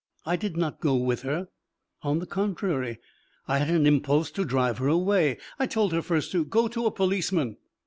I did not go with her; on the contrary, I had an impulse to drive her away. I told her first to go to a policeman.